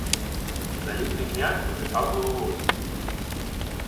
Залітний князь похитав головою: